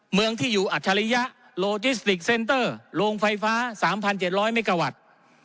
เมืองที่อยู่อัจฉริยะโลจิสติกเซ็นเตอร์โรงไฟฟ้า๓๗๐๐เมกาวัตต์